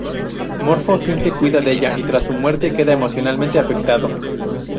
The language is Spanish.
Morfo siempre cuida de ella y tras su muerte queda emocionalmente afectado.